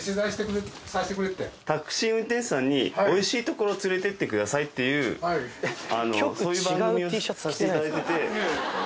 タクシー運転手さんに美味しいところ連れてってくださいっていうそういう番組をさせていただいてて。